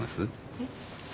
えっ？